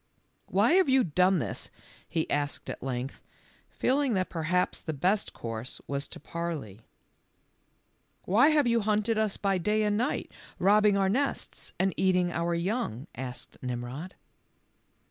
"Why have you done this?" he* asked at length, feeling that perhaps the best course was to parley. " Why have you hunted us by day and night, robbing our nests and eating our young?" asked Nimrod.